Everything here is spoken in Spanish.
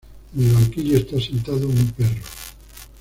En el banquillo está sentado un perro.